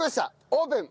オープン！